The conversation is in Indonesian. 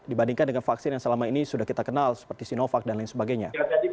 dibandingkan dengan vaksin yang selama ini sudah kita kenal seperti sinovac dan lain sebagainya